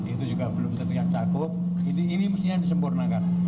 itu juga belum terlihat cakup ini mestinya disempurnakan